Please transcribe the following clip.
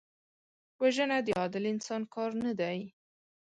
وژنه د عادل انسان کار نه دی